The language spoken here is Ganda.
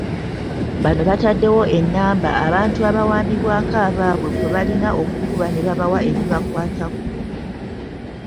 Bano bataddewo ennamba abantu abaawambibwako abaabwe kwe balina okukuba ne babawa ebibakwatako.